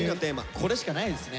これしかないですね。